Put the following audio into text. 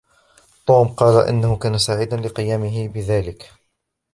توم قال أنه كان سعيدا لقيامه بذلك.